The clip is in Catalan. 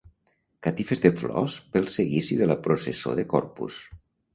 Catifes de flors pel seguici de la processó de Corpus.